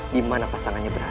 dimana pasangannya berada